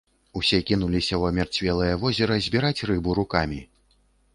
Усе кінуліся ў амярцвелае возера збіраць рыбу рукамі.